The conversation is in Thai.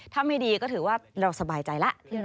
ถ้าไม่ดีก็ถือว่าเราสบายใจแล้ว